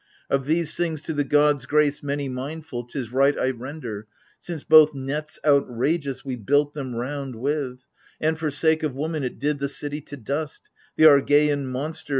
Of these things, to the gods grace many mindful 'T is right I render, since both nets outrageous We built them round with, and, for sake of woman, It did the city to dust — the Argeian monster.